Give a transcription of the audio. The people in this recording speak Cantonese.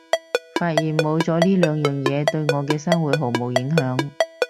發現冇咗呢兩樣嘢對我嘅生活毫無影響